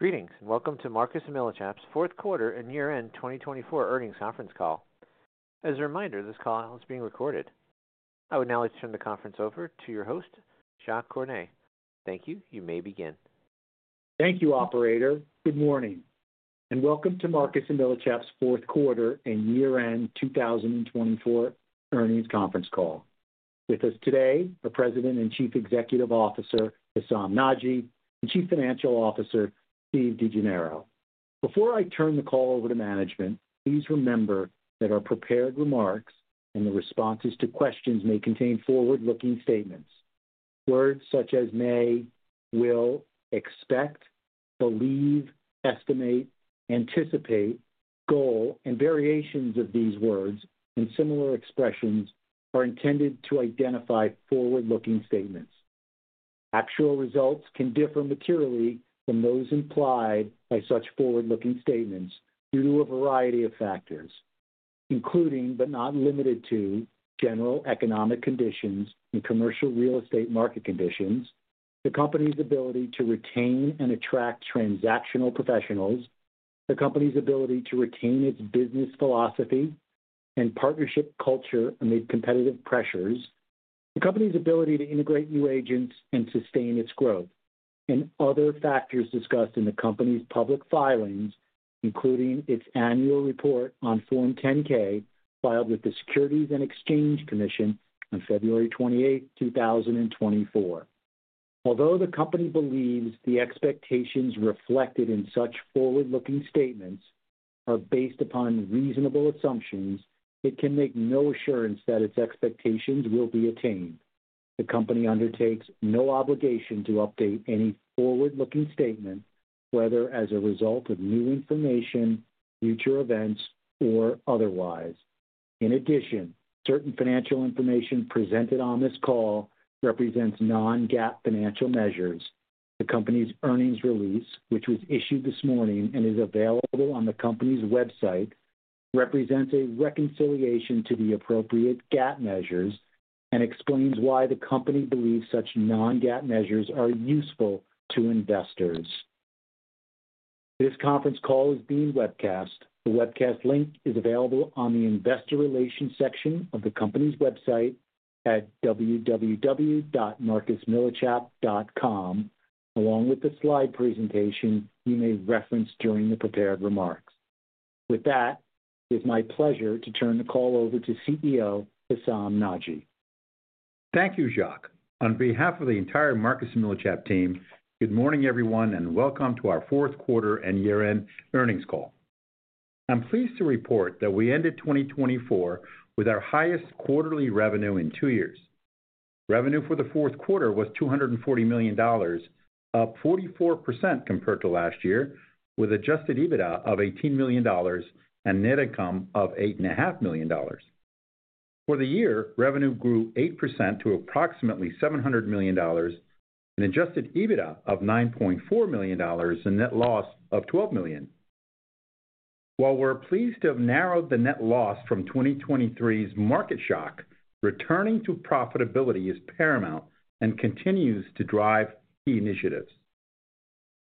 Greetings, and welcome to Marcus & Millichap's fourth quarter and year-end 2024 earnings conference call. As a reminder, this call is being recorded. I would now like to turn the conference over to your host, Jacques Cornet. Thank you. You may begin. Thank you, Operator. Good morning, and welcome to Marcus & Millichap's fourth quarter and year-end 2024 earnings conference call. With us today are President and Chief Executive Officer Hessam Nadji and Chief Financial Officer Steve DeGennaro. Before I turn the call over to management, please remember that our prepared remarks and the responses to questions may contain forward-looking statements. Words such as may, will, expect, believe, estimate, anticipate, goal, and variations of these words in similar expressions are intended to identify forward-looking statements. Actual results can differ materially from those implied by such forward-looking statements due to a variety of factors, including, but not limited to, general economic conditions and commercial real estate market conditions, the company's ability to retain and attract transactional professionals, the company's ability to retain its business philosophy and partnership culture amid competitive pressures, the company's ability to integrate new agents and sustain its growth, and other factors discussed in the company's public filings, including its annual report on Form 10-K filed with the Securities and Exchange Commission on February 28, 2024. Although the company believes the expectations reflected in such forward-looking statements are based upon reasonable assumptions, it can make no assurance that its expectations will be attained. The company undertakes no obligation to update any forward-looking statement, whether as a result of new information, future events, or otherwise. In addition, certain financial information presented on this call represents Non-GAAP financial measures. The company's earnings release, which was issued this morning and is available on the company's website, represents a reconciliation to the appropriate GAAP measures and explains why the company believes such Non-GAAP measures are useful to investors. This conference call is being webcast. The webcast link is available on the Investor Relations section of the company's website at www.marcusmillichap.com, along with the slide presentation you may reference during the prepared remarks. With that, it is my pleasure to turn the call over to CEO Hessam Nadji. Thank you, Jacques. On behalf of the entire Marcus & Millichap team, good morning, everyone, and welcome to our fourth quarter and year-end earnings call. I'm pleased to report that we ended 2024 with our highest quarterly revenue in two years. Revenue for the fourth quarter was $240 million, up 44% compared to last year, with Adjusted EBITDA of $18 million and net income of $8.5 million. For the year, revenue grew 8% to approximately $700 million, an Adjusted EBITDA of $9.4 million, and net loss of $12 million. While we're pleased to have narrowed the net loss from 2023's market shock, returning to profitability is paramount and continues to drive key initiatives.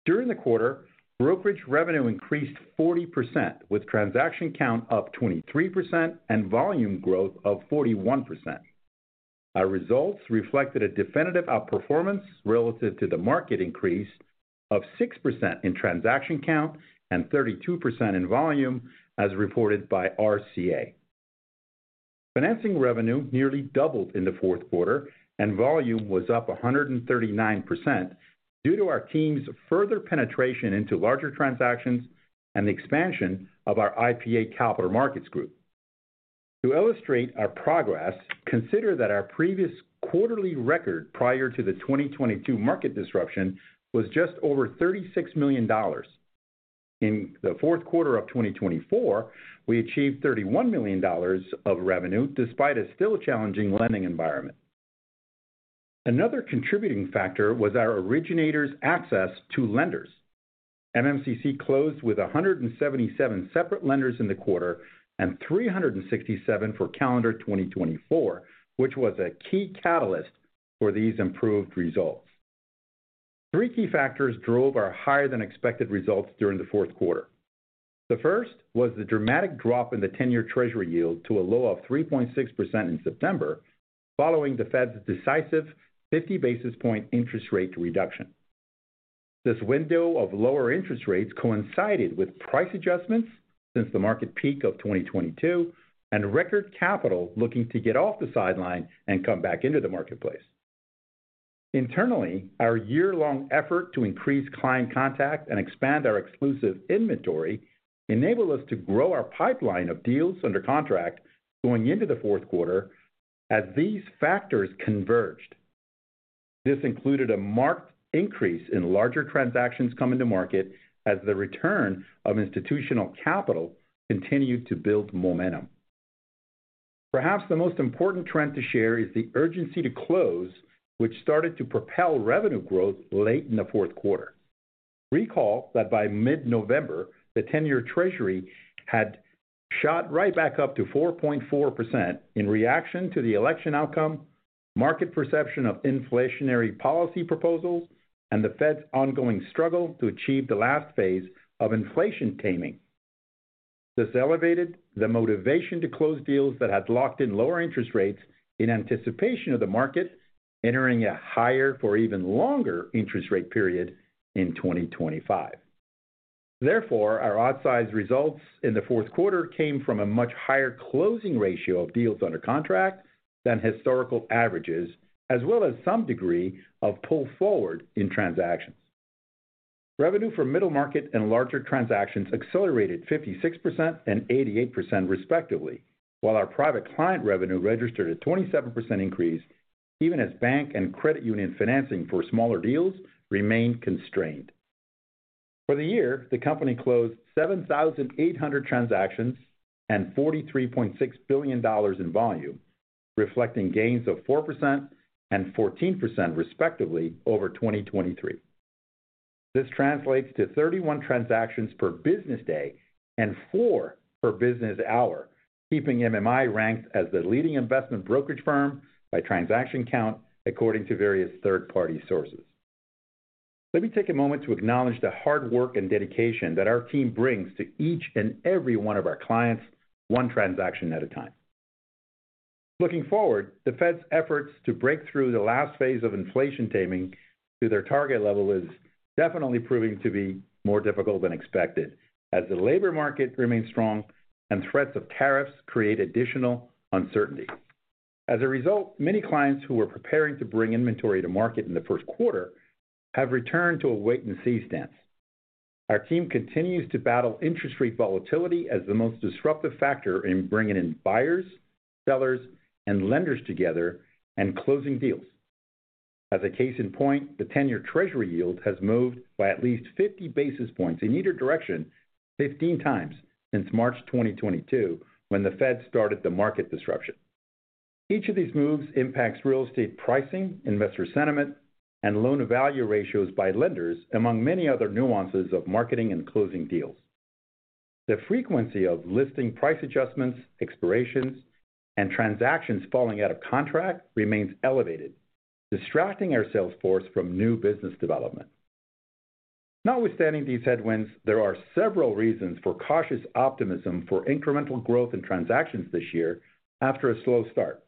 During the quarter, brokerage revenue increased 40%, with transaction count up 23% and volume growth of 41%. Our results reflected a definitive outperformance relative to the market increase of 6% in transaction count and 32% in volume, as reported by RCA. Financing revenue nearly doubled in the fourth quarter, and volume was up 139% due to our team's further penetration into larger transactions and the expansion of our IPA Capital Markets Group. To illustrate our progress, consider that our previous quarterly record prior to the 2022 market disruption was just over $36 million. In the fourth quarter of 2024, we achieved $31 million of revenue despite a still challenging lending environment. Another contributing factor was our originators' access to lenders. MMCC closed with 177 separate lenders in the quarter and 367 for calendar 2024, which was a key catalyst for these improved results. Three key factors drove our higher-than-expected results during the fourth quarter. The first was the dramatic drop in the 10-year Treasury yield to a low of 3.6% in September, following the Fed's decisive 50 basis point interest rate reduction. This window of lower interest rates coincided with price adjustments since the market peak of 2022 and record capital looking to get off the sideline and come back into the marketplace. Internally, our year-long effort to increase client contact and expand our exclusive inventory enabled us to grow our pipeline of deals under contract going into the fourth quarter as these factors converged. This included a marked increase in larger transactions coming to market as the return of institutional capital continued to build momentum. Perhaps the most important trend to share is the urgency to close, which started to propel revenue growth late in the fourth quarter. Recall that by mid-November, the 10-year Treasury had shot right back up to 4.4% in reaction to the election outcome, market perception of inflationary policy proposals, and the Fed's ongoing struggle to achieve the last phase of inflation taming. This elevated the motivation to close deals that had locked in lower interest rates in anticipation of the market entering a higher for even longer interest rate period in 2025. Therefore, our outsized results in the fourth quarter came from a much higher closing ratio of deals under contract than historical averages, as well as some degree of pull forward in transactions. Revenue for middle market and larger transactions accelerated 56% and 88%, respectively, while our private client revenue registered a 27% increase, even as bank and credit union financing for smaller deals remained constrained. For the year, the company closed 7,800 transactions and $43.6 billion in volume, reflecting gains of 4% and 14%, respectively, over 2023. This translates to 31 transactions per business day and four per business hour, keeping MMI ranked as the leading investment brokerage firm by transaction count, according to various third-party sources. Let me take a moment to acknowledge the hard work and dedication that our team brings to each and every one of our clients, one transaction at a time. Looking forward, the Fed's efforts to break through the last phase of inflation taming to their target level is definitely proving to be more difficult than expected, as the labor market remains strong and threats of tariffs create additional uncertainty. As a result, many clients who were preparing to bring inventory to market in the first quarter have returned to a wait-and-see stance. Our team continues to battle interest rate volatility as the most disruptive factor in bringing in buyers, sellers, and lenders together and closing deals. As a case in point, the 10-year Treasury yield has moved by at least 50 basis points in either direction 15 times since March 2022, when the Fed started the market disruption. Each of these moves impacts real estate pricing, investor sentiment, and loan-to-value ratios by lenders, among many other nuances of marketing and closing deals. The frequency of listing price adjustments, expirations, and transactions falling out of contract remains elevated, distracting our sales force from new business development. Notwithstanding these headwinds, there are several reasons for cautious optimism for incremental growth in transactions this year after a slow start.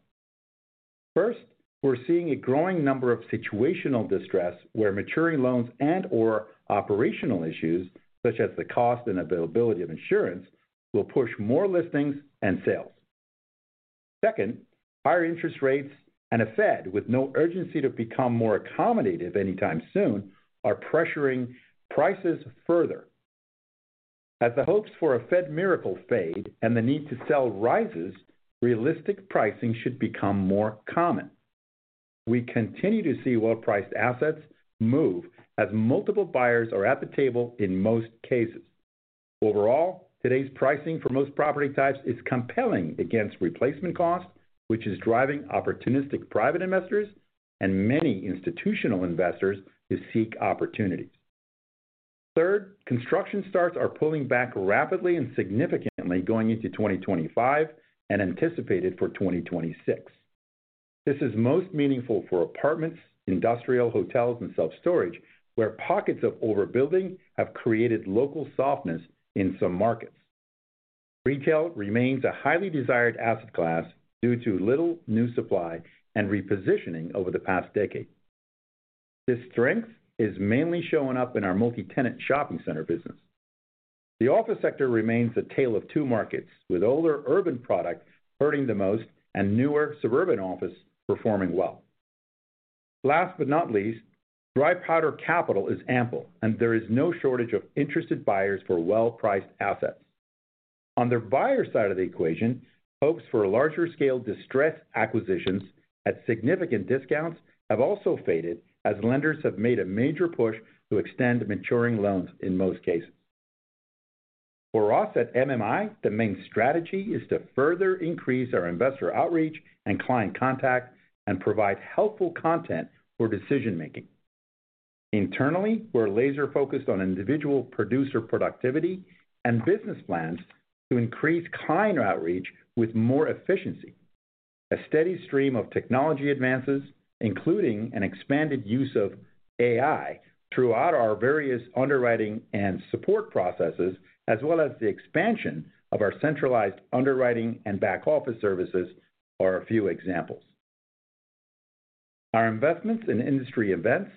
First, we're seeing a growing number of situational distress where maturing loans and/or operational issues, such as the cost and availability of insurance, will push more listings and sales. Second, higher interest rates and a Fed with no urgency to become more accommodative anytime soon are pressuring prices further. As the hopes for a Fed miracle fade and the need to sell rises, realistic pricing should become more common. We continue to see well-priced assets move as multiple buyers are at the table in most cases. Overall, today's pricing for most property types is compelling against replacement cost, which is driving opportunistic private investors and many institutional investors to seek opportunities. Third, construction starts are pulling back rapidly and significantly going into 2025 and anticipated for 2026. This is most meaningful for apartments, industrial, hotels, and self-storage, where pockets of overbuilding have created local softness in some markets. Retail remains a highly desired asset class due to little new supply and repositioning over the past decade. This strength is mainly showing up in our multi-tenant shopping center business. The office sector remains a tale of two markets, with older urban product hurting the most and newer suburban office performing well. Last but not least, dry powder capital is ample, and there is no shortage of interested buyers for well-priced assets. On the buyer side of the equation, hopes for larger-scale distressed acquisitions at significant discounts have also faded as lenders have made a major push to extend maturing loans in most cases. For us at MMI, the main strategy is to further increase our investor outreach and client contact and provide helpful content for decision-making. Internally, we're laser-focused on individual producer productivity and business plans to increase client outreach with more efficiency. A steady stream of technology advances, including an expanded use of AI throughout our various underwriting and support processes, as well as the expansion of our centralized underwriting and back office services, are a few examples. Our investments in industry events,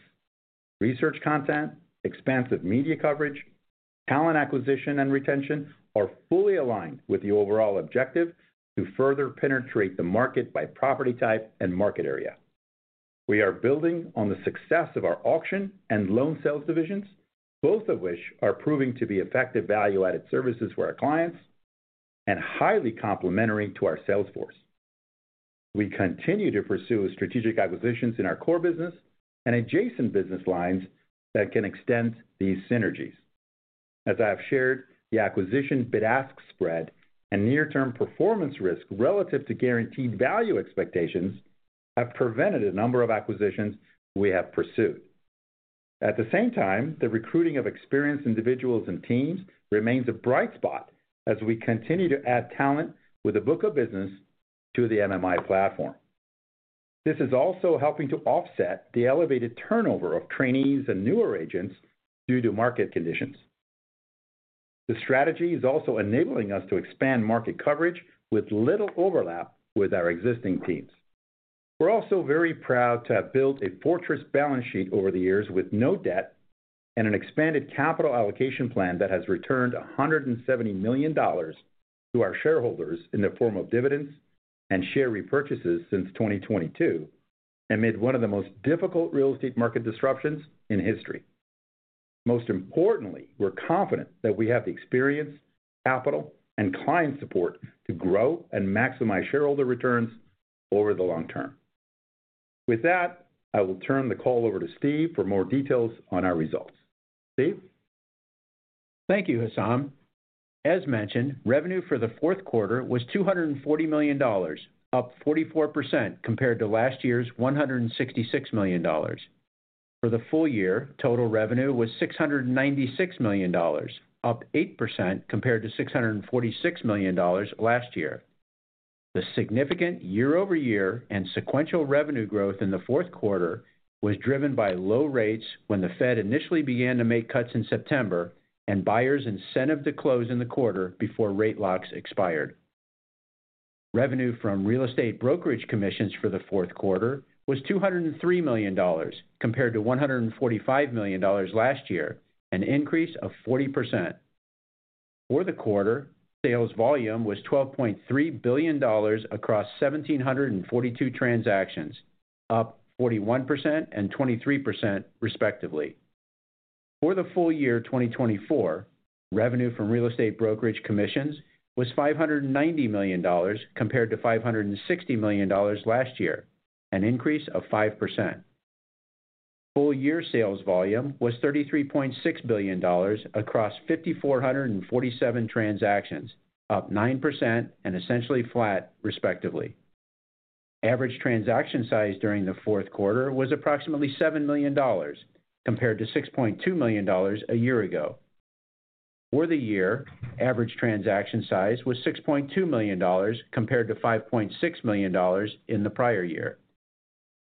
research content, expansive media coverage, talent acquisition, and retention are fully aligned with the overall objective to further penetrate the market by property type and market area. We are building on the success of our auction and loan sales divisions, both of which are proving to be effective value-added services for our clients and highly complementary to our sales force. We continue to pursue strategic acquisitions in our core business and adjacent business lines that can extend these synergies. As I have shared, the acquisition bid-ask spread and near-term performance risk relative to guaranteed value expectations have prevented a number of acquisitions we have pursued. At the same time, the recruiting of experienced individuals and teams remains a bright spot as we continue to add talent with a book of business to the MMI platform. This is also helping to offset the elevated turnover of trainees and newer agents due to market conditions. The strategy is also enabling us to expand market coverage with little overlap with our existing teams. We're also very proud to have built a fortress balance sheet over the years with no debt and an expanded capital allocation plan that has returned $170 million to our shareholders in the form of dividends and share repurchases since 2022, amid one of the most difficult real estate market disruptions in history. Most importantly, we're confident that we have the experience, capital, and client support to grow and maximize shareholder returns over the long term. With that, I will turn the call over to Steve for more details on our results. Steve? Thank you, Hessam. As mentioned, revenue for the fourth quarter was $240 million, up 44% compared to last year's $166 million. For the full year, total revenue was $696 million, up 8% compared to $646 million last year. The significant year-over-year and sequential revenue growth in the fourth quarter was driven by low rates when the Fed initially began to make cuts in September and buyers incentivized to close in the quarter before rate locks expired. Revenue from real estate brokerage commissions for the fourth quarter was $203 million compared to $145 million last year, an increase of 40%. For the quarter, sales volume was $12.3 billion across 1,742 transactions, up 41% and 23%, respectively. For the full year 2024, revenue from real estate brokerage commissions was $590 million compared to $560 million last year, an increase of 5%. Full year sales volume was $33.6 billion across 5,447 transactions, up 9% and essentially flat, respectively. Average transaction size during the fourth quarter was approximately $7 million compared to $6.2 million a year ago. For the year, average transaction size was $6.2 million compared to $5.6 million in the prior year.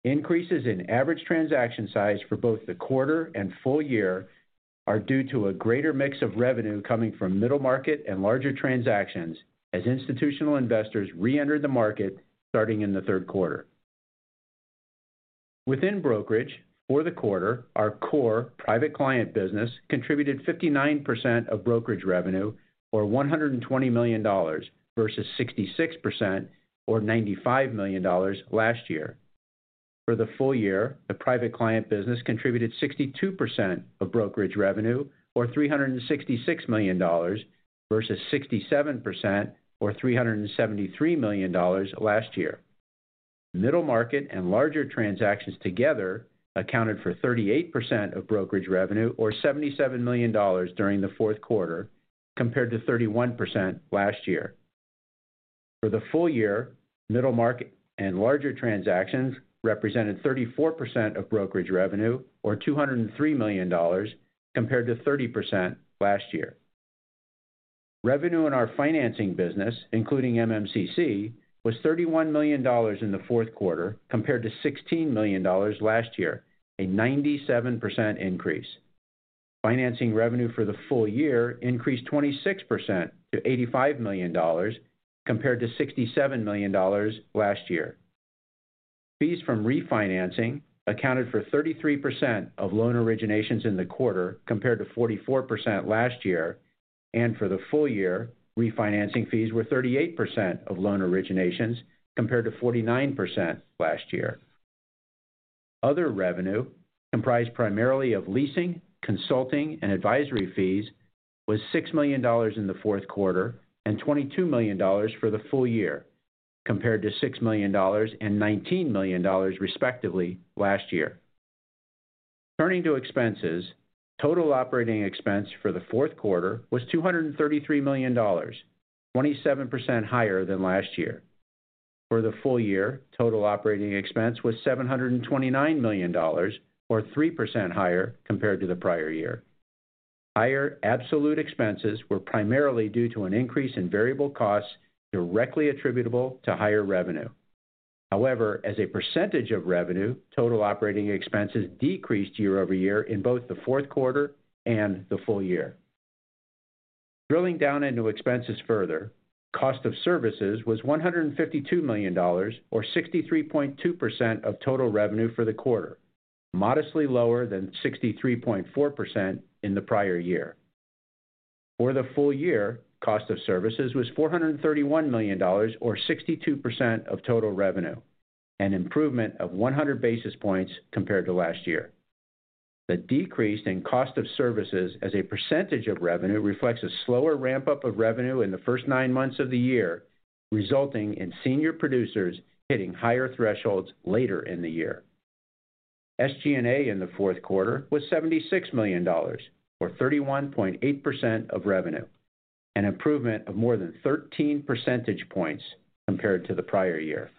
Increases in average transaction size for both the quarter and full year are due to a greater mix of revenue coming from middle market and larger transactions as institutional investors re-entered the market starting in the third quarter. Within brokerage, for the quarter, our core private client business contributed 59% of brokerage revenue, or $120 million, versus 66%, or $95 million last year. For the full year, the private client business contributed 62% of brokerage revenue, or $366 million, versus 67%, or $373 million last year. Middle market and larger transactions together accounted for 38% of brokerage revenue, or $77 million during the fourth quarter, compared to 31% last year. For the full year, middle market and larger transactions represented 34% of brokerage revenue, or $203 million, compared to 30% last year. Revenue in our financing business, including MMCC, was $31 million in the fourth quarter, compared to $16 million last year, a 97% increase. Financing revenue for the full year increased 26% to $85 million, compared to $67 million last year. Fees from refinancing accounted for 33% of loan originations in the quarter, compared to 44% last year, and for the full year, refinancing fees were 38% of loan originations, compared to 49% last year. Other revenue, comprised primarily of leasing, consulting, and advisory fees, was $6 million in the fourth quarter and $22 million for the full year, compared to $6 million and $19 million, respectively, last year. Turning to expenses, total operating expense for the fourth quarter was $233 million, 27% higher than last year. For the full year, total operating expense was $729 million, or 3% higher compared to the prior year. Higher absolute expenses were primarily due to an increase in variable costs directly attributable to higher revenue. However, as a percentage of revenue, total operating expenses decreased year-over-year in both the fourth quarter and the full year. Drilling down into expenses further, cost of services was $152 million, or 63.2% of total revenue for the quarter, modestly lower than 63.4% in the prior year. For the full year, cost of services was $431 million, or 62% of total revenue, an improvement of 100 basis points compared to last year. The decrease in cost of services as a percentage of revenue reflects a slower ramp-up of revenue in the first nine months of the year, resulting in senior producers hitting higher thresholds later in the year. SG&A in the fourth quarter was $76 million, or 31.8% of revenue, an improvement of more than 13 percentage points compared to the prior year.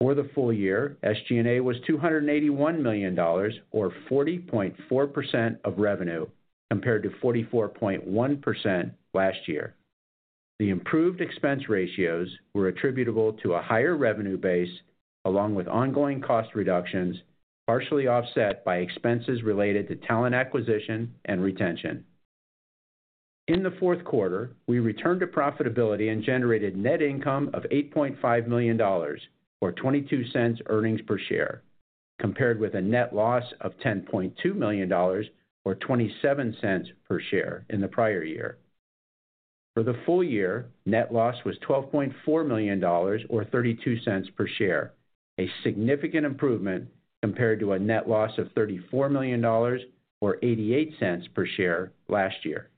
For the full year, SG&A was $281 million, or 40.4% of revenue, compared to 44.1% last year. The improved expense ratios were attributable to a higher revenue base, along with ongoing cost reductions, partially offset by expenses related to talent acquisition and retention. In the fourth quarter, we returned to profitability and generated net income of $8.5 million, or $0.22 earnings per share, compared with a net loss of $10.2 million, or $0.27 per share in the prior year. For the full year, net loss was $12.4 million, or $0.32 per share, a significant improvement compared to a net loss of $34 million, or $0.88 per share last year.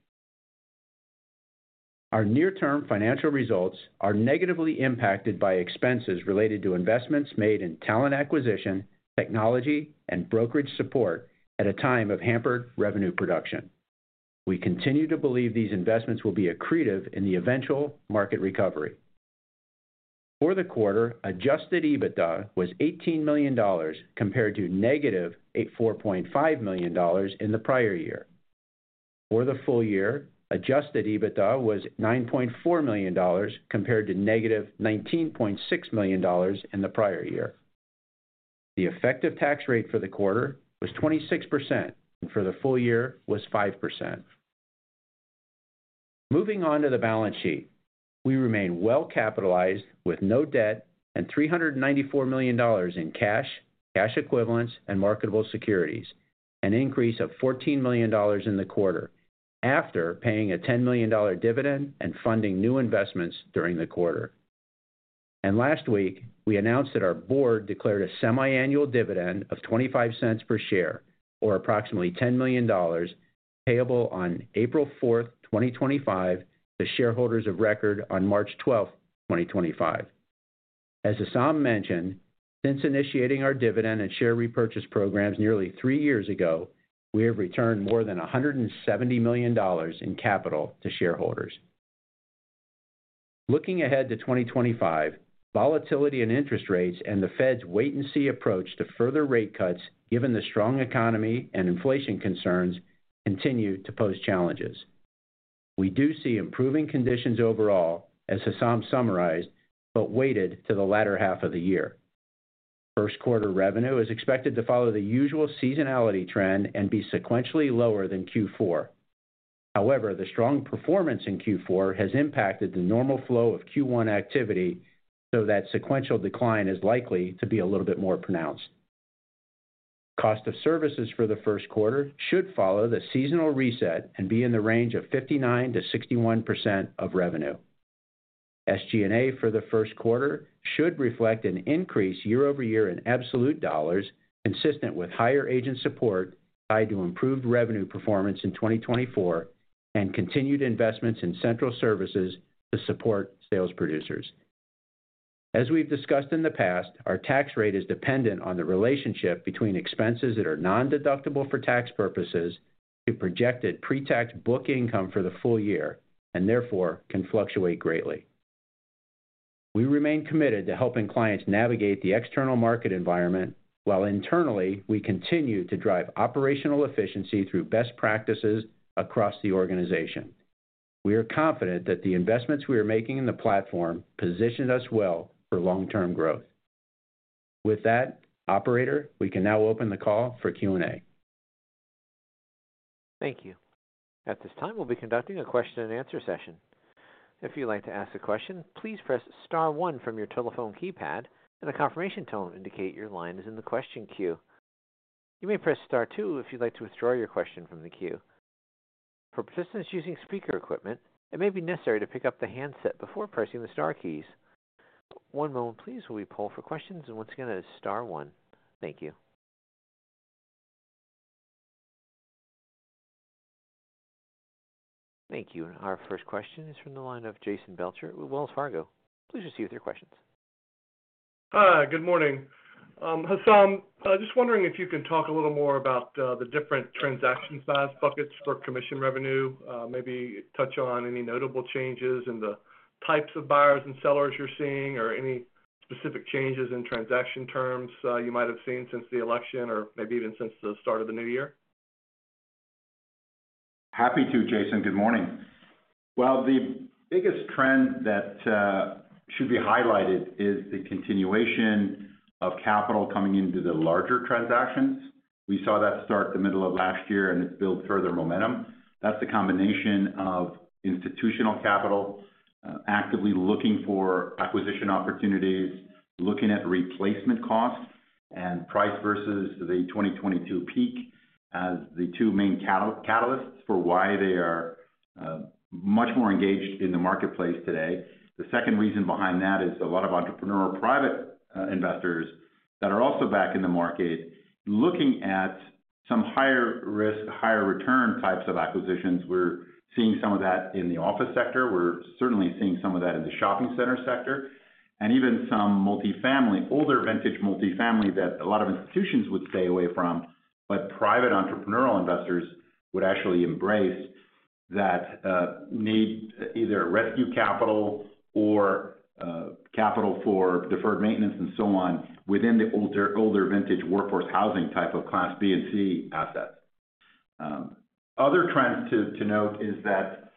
Our near-term financial results are negatively impacted by expenses related to investments made in talent acquisition, technology, and brokerage support at a time of hampered revenue production. We continue to believe these investments will be accretive in the eventual market recovery. For the quarter, Adjusted EBITDA was $18 million compared to -$4.5 million in the prior year. For the full year, Adjusted EBITDA was $9.4 million compared to -$19.6 million in the prior year. The effective tax rate for the quarter was 26%, and for the full year was 5%. Moving on to the balance sheet, we remain well-capitalized with no debt and $394 million in cash, cash equivalents, and marketable securities, an increase of $14 million in the quarter after paying a $10 million dividend and funding new investments during the quarter, and last week, we announced that our Board declared a semiannual dividend of $0.25 per share, or approximately $10 million, payable on April 4, 2025, to shareholders of record on March 12, 2025. As Hessam mentioned, since initiating our dividend and share repurchase programs nearly three years ago, we have returned more than $170 million in capital to shareholders. Looking ahead to 2025, volatility in interest rates and the Fed's wait-and-see approach to further rate cuts, given the strong economy and inflation concerns, continue to pose challenges. We do see improving conditions overall, as Hessam summarized, but weighted to the latter half of the year. First quarter revenue is expected to follow the usual seasonality trend and be sequentially lower than Q4. However, the strong performance in Q4 has impacted the normal flow of Q1 activity, so that sequential decline is likely to be a little bit more pronounced. Cost of services for the first quarter should follow the seasonal reset and be in the range of 59%-61% of revenue. SG&A for the first quarter should reflect an increase year-over-year in absolute dollars consistent with higher agent support tied to improved revenue performance in 2024 and continued investments in central services to support sales producers. As we've discussed in the past, our tax rate is dependent on the relationship between expenses that are non-deductible for tax purposes to projected pre-tax book income for the full year and therefore can fluctuate greatly. We remain committed to helping clients navigate the external market environment while internally we continue to drive operational efficiency through best practices across the organization. We are confident that the investments we are making in the platform position us well for long-term growth. With that, operator, we can now open the call for Q&A. Thank you. At this time, we'll be conducting a question-and-answer session. If you'd like to ask a question, please press Star one from your telephone keypad, and a confirmation tone will indicate your line is in the question queue. You may press Star two if you'd like to withdraw your question from the queue. For participants using speaker equipment, it may be necessary to pick up the handset before pressing the Star keys. One moment, please, while we poll for questions, and once again, that is Star one. Thank you. Thank you. Our first question is from the line of Jason Belcher with Wells Fargo. Please proceed with your questions. Good morning. Hessam, just wondering if you can talk a little more about the different transaction size buckets for commission revenue, maybe touch on any notable changes in the types of buyers and sellers you're seeing, or any specific changes in transaction terms you might have seen since the election or maybe even since the start of the new year. Happy to, Jason. Good morning. Well, the biggest trend that should be highlighted is the continuation of capital coming into the larger transactions. We saw that start the middle of last year, and it's built further momentum. That's the combination of institutional capital actively looking for acquisition opportunities, looking at replacement cost and price versus the 2022 peak as the two main catalysts for why they are much more engaged in the marketplace today. The second reason behind that is a lot of entrepreneurial private investors that are also back in the market looking at some higher-risk, higher-return types of acquisitions. We're seeing some of that in the office sector. We're certainly seeing some of that in the shopping center sector and even some multifamily, older vintage multifamily that a lot of institutions would stay away from, but private entrepreneurial investors would actually embrace that need either rescue capital or capital for deferred maintenance and so on within the older vintage workforce housing type of Class B and C assets. Other trends to note is that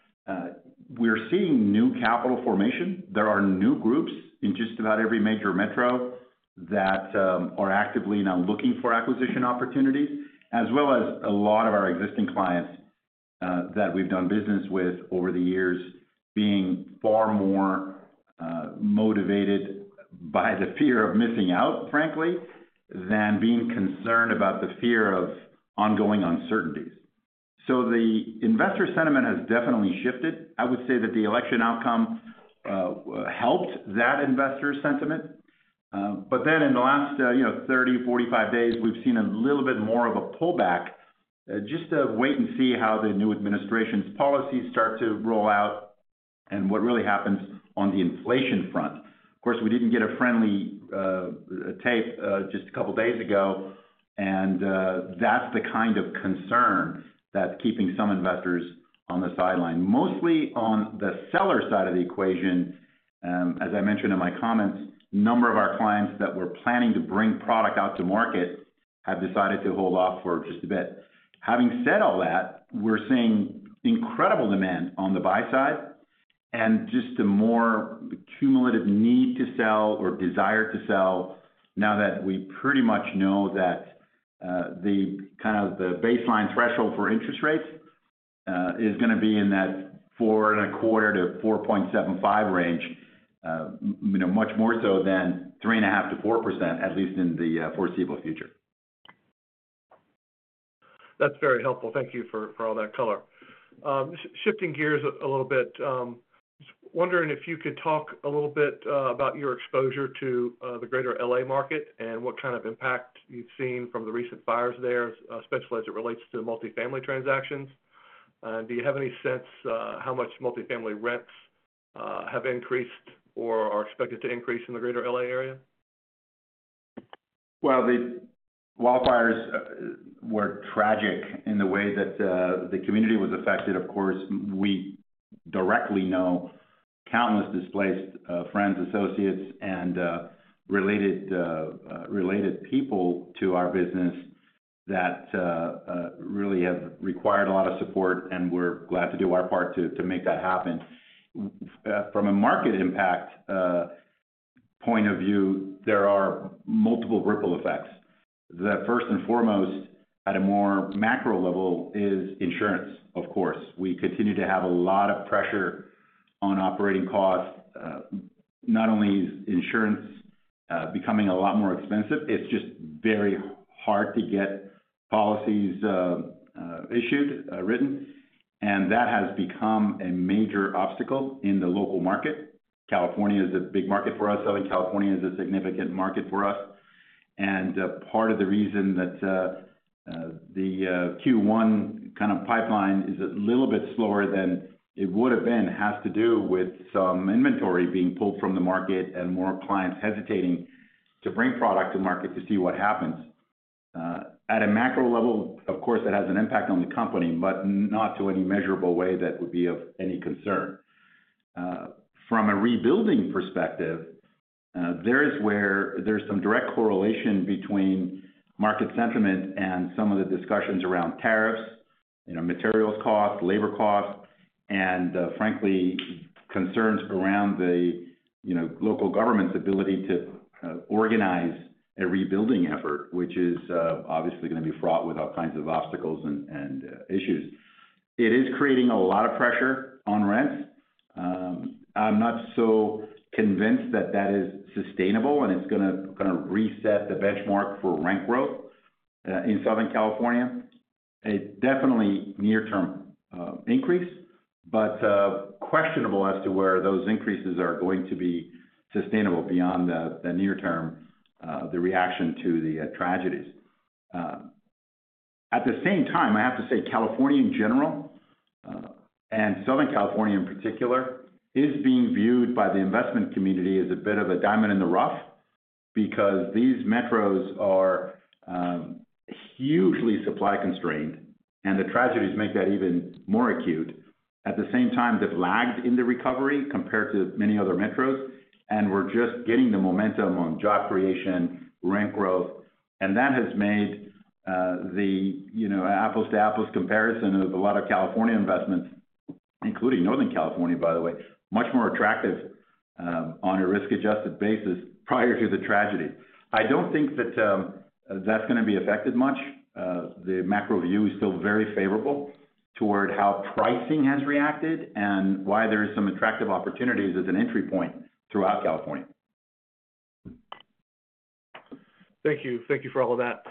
we're seeing new capital formation. There are new groups in just about every major metro that are actively now looking for acquisition opportunities, as well as a lot of our existing clients that we've done business with over the years being far more motivated by the fear of missing out, frankly, than being concerned about the fear of ongoing uncertainties. So the investor sentiment has definitely shifted. I would say that the election outcome helped that investor sentiment. But then in the last 30-45 days, we've seen a little bit more of a pullback, just to wait and see how the new administration's policies start to roll out and what really happens on the inflation front. Of course, we didn't get a friendly tape just a couple of days ago, and that's the kind of concern that's keeping some investors on the sideline, mostly on the seller side of the equation. As I mentioned in my comments, a number of our clients that were planning to bring product out to market have decided to hold off for just a bit. Having said all that, we're seeing incredible demand on the buy side and just a more cumulative need to sell or desire to sell now that we pretty much know that the kind of baseline threshold for interest rates is going to be in that 4.25%-4.75% range, much more so than 3.5%-4%, at least in the foreseeable future. That's very helpful. Thank you for all that color. Shifting gears a little bit, just wondering if you could talk a little bit about your exposure to the greater LA market and what kind of impact you've seen from the recent fires there, especially as it relates to multifamily transactions. Do you have any sense how much multifamily rents have increased or are expected to increase in the greater LA area? The wildfires were tragic in the way that the community was affected. Of course, we directly know countless displaced friends, associates, and related people to our business that really have required a lot of support, and we're glad to do our part to make that happen. From a market impact point of view, there are multiple ripple effects. The first and foremost, at a more macro level, is insurance, of course. We continue to have a lot of pressure on operating costs. Not only is insurance becoming a lot more expensive, it's just very hard to get policies issued, written, and that has become a major obstacle in the local market. California is a big market for us. Southern California is a significant market for us. And part of the reason that the Q1 kind of pipeline is a little bit slower than it would have been has to do with some inventory being pulled from the market and more clients hesitating to bring product to market to see what happens. At a macro level, of course, that has an impact on the company, but not to any measurable way that would be of any concern. From a rebuilding perspective, there is some direct correlation between market sentiment and some of the discussions around tariffs, materials cost, labor cost, and frankly, concerns around the local government's ability to organize a rebuilding effort, which is obviously going to be fraught with all kinds of obstacles and issues. It is creating a lot of pressure on rents. I'm not so convinced that that is sustainable and it's going to reset the benchmark for rent growth in Southern California. It's definitely a near-term increase, but questionable as to where those increases are going to be sustainable beyond the near-term, the reaction to the tragedies. At the same time, I have to say California in general, and Southern California in particular, is being viewed by the investment community as a bit of a diamond in the rough because these metros are hugely supply constrained, and the tragedies make that even more acute. At the same time, they've lagged in the recovery compared to many other metros and were just getting the momentum on job creation, rent growth, and that has made the apples-to-apples comparison of a lot of California investments, including Northern California, by the way, much more attractive on a risk-adjusted basis prior to the tragedy. I don't think that that's going to be affected much. The macro view is still very favorable toward how pricing has reacted and why there are some attractive opportunities as an entry point throughout California. Thank you. Thank you for all of that.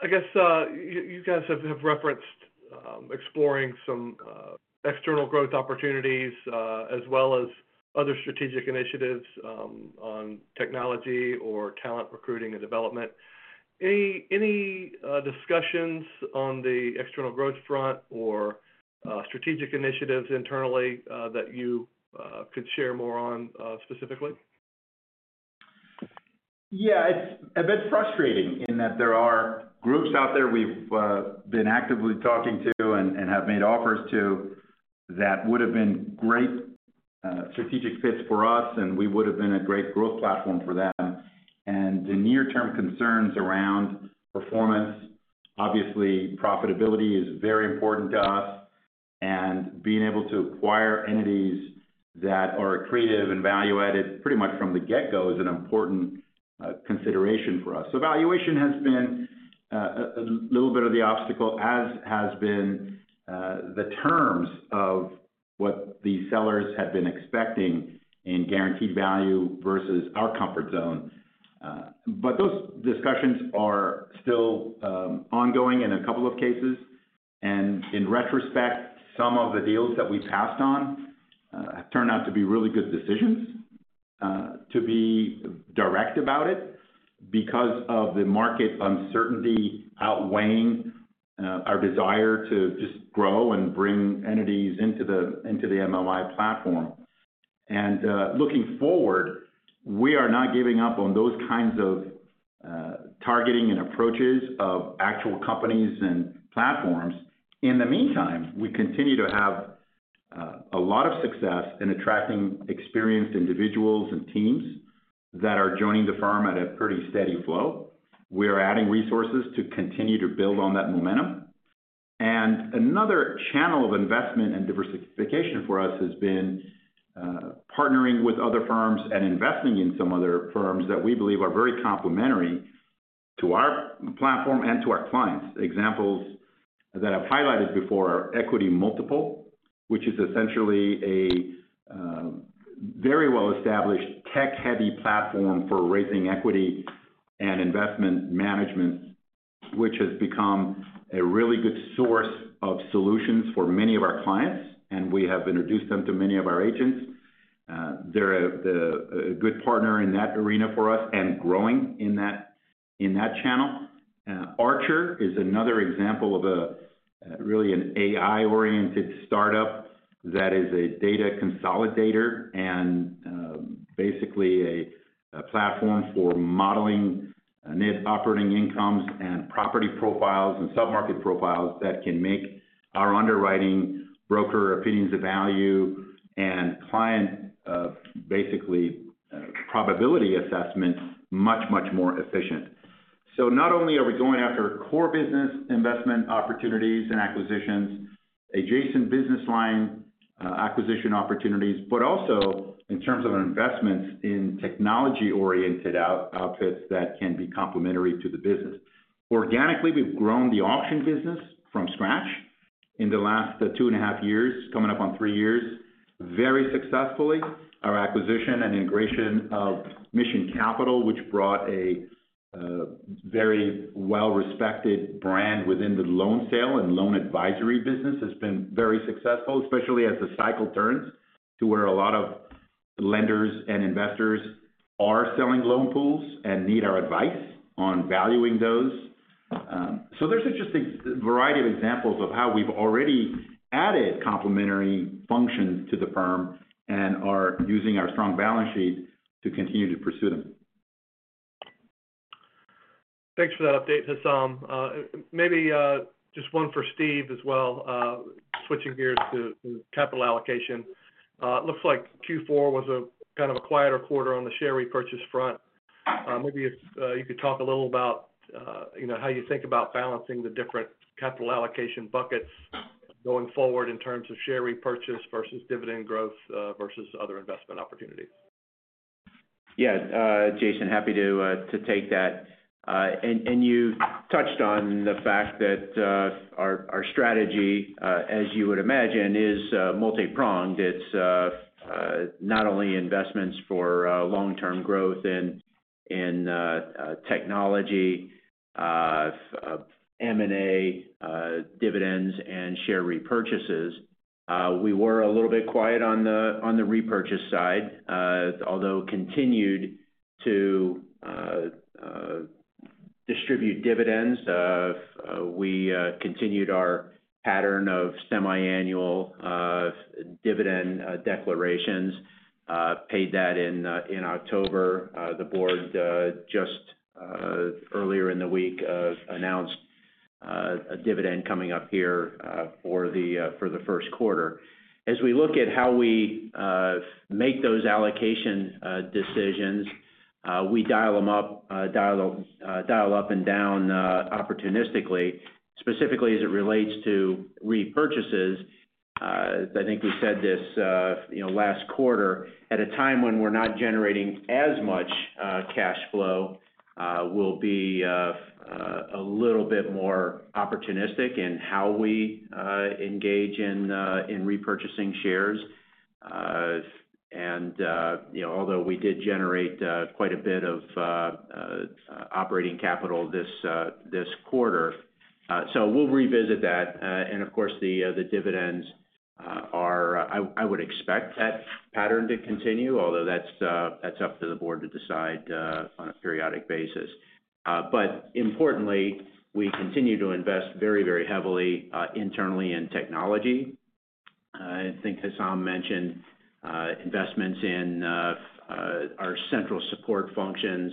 I guess you guys have referenced exploring some external growth opportunities as well as other strategic initiatives on technology or talent recruiting and development. Any discussions on the external growth front or strategic initiatives internally that you could share more on specifically? Yeah, it's a bit frustrating in that there are groups out there we've been actively talking to and have made offers to that would have been great strategic fits for us, and we would have been a great growth platform for them. And the near-term concerns around performance, obviously, profitability is very important to us, and being able to acquire entities that are creative and value-added pretty much from the get-go is an important consideration for us. So valuation has been a little bit of the obstacle, as has been the terms of what the sellers had been expecting in guaranteed value versus our comfort zone. But those discussions are still ongoing in a couple of cases. In retrospect, some of the deals that we passed on have turned out to be really good decisions to be direct about it because of the market uncertainty outweighing our desire to just grow and bring entities into the MMI platform. Looking forward, we are not giving up on those kinds of targeting and approaches of actual companies and platforms. In the meantime, we continue to have a lot of success in attracting experienced individuals and teams that are joining the firm at a pretty steady flow. We are adding resources to continue to build on that momentum. Another channel of investment and diversification for us has been partnering with other firms and investing in some other firms that we believe are very complementary to our platform and to our clients. Examples that I've highlighted before are EquityMultiple, which is essentially a very well-established tech-heavy platform for raising equity and investment management, which has become a really good source of solutions for many of our clients, and we have introduced them to many of our agents. They're a good partner in that arena for us and growing in that channel. Archer is another example of really an AI-oriented startup that is a data consolidator and basically a platform for modeling net operating incomes and property profiles and submarket profiles that can make our underwriting, broker opinions of value, and client basically probability assessments much, much more efficient. So not only are we going after core business investment opportunities and acquisitions, adjacent business line acquisition opportunities, but also in terms of investments in technology-oriented outfits that can be complementary to the business. Organically, we've grown the auction business from scratch in the last two and a half years, coming up on three years very successfully. Our acquisition and integration of Mission Capital, which brought a very well-respected brand within the loan sale and loan advisory business, has been very successful, especially as the cycle turns to where a lot of lenders and investors are selling loan pools and need our advice on valuing those. So there's just a variety of examples of how we've already added complementary functions to the firm and are using our strong balance sheet to continue to pursue them. Thanks for that update, Hessam. Maybe just one for Steve as well, switching gears to capital allocation. It looks like Q4 was a kind of a quieter quarter on the share repurchase front. Maybe if you could talk a little about how you think about balancing the different capital allocation buckets going forward in terms of share repurchase versus dividend growth versus other investment opportunities. Yeah, Jason, happy to take that. And you touched on the fact that our strategy, as you would imagine, is multi-pronged. It's not only investments for long-term growth in technology, M&A, dividends, and share repurchases. We were a little bit quiet on the repurchase side, although continued to distribute dividends. We continued our pattern of semiannual dividend declarations, paid that in October. The board just earlier in the week announced a dividend coming up here for the first quarter. As we look at how we make those allocation decisions, we dial them up and down opportunistically, specifically as it relates to repurchases. I think we said this last quarter, at a time when we're not generating as much cash flow, we'll be a little bit more opportunistic in how we engage in repurchasing shares. And although we did generate quite a bit of operating capital this quarter, so we'll revisit that. And of course, the dividends are I would expect that pattern to continue, although that's up to the board to decide on a periodic basis. But importantly, we continue to invest very, very heavily internally in technology. I think Hessam mentioned investments in our central support functions,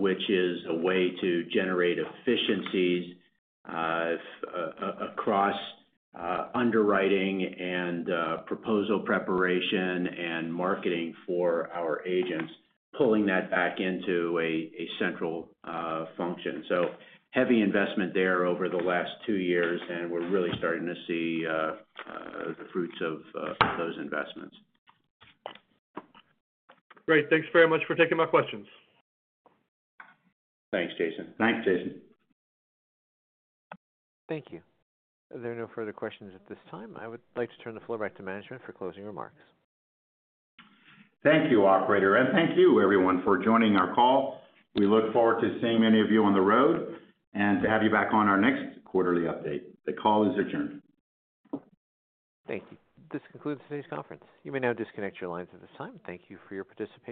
which is a way to generate efficiencies across underwriting and proposal preparation and marketing for our agents, pulling that back into a central function. So heavy investment there over the last two years, and we're really starting to see the fruits of those investments. Great. Thanks very much for taking my questions. Thanks, Jason. Thanks, Jason. Thank you. There are no further questions at this time. I would like to turn the floor back to management for closing remarks. Thank you, Operator, and thank you, everyone, for joining our call. We look forward to seeing many of you on the road and to have you back on our next quarterly update. The call is adjourned. Thank you. This concludes today's conference. You may now disconnect your lines at this time. Thank you for your participation.